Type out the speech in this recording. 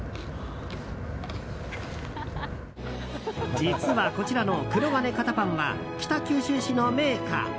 実は、こちらのくろがね堅パンは北九州市の銘菓。